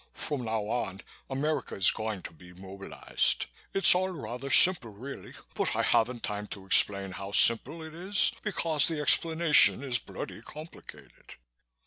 From now on, America is going to be immobilized. It's all rather simple, really, but I haven't time to explain how simple it is because the explanation is bloody complicated."